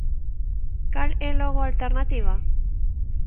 Cal é logo a alternativa?